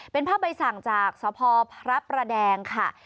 เป็นภาพใบสั่งจากสพพระประแดงค่ะ